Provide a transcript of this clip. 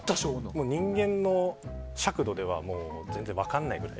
人間の尺度では全然分からないぐらい。